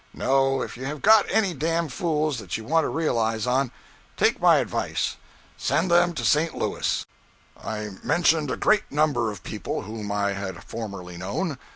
No, if you have got any damned fools that you want to realize on, take my advice send them to St. Louis.' I mentioned a great number of people whom I had formerly known.